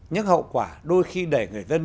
những hậu quả đôi khi đẩy người dân